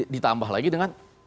ditambah lagi dengan